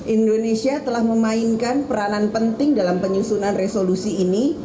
indonesia telah memainkan peranan penting dalam penyusunan resolusi ini